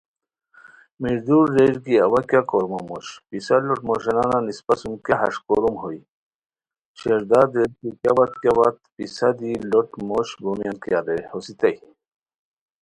میردول ریر کی اوا کیہ کورمو موش، پِسہ لُوٹ موشانان اسپہ سوم کیہ ہݰ کوروم ہوئے؟ شیر داد ریر کی کیہ وت کیہ وت پِیسہ دی لُوٹ موش بومیان کیہ رے ہوسیتائے